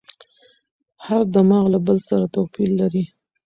هر دماغ له بل سره توپیر لري.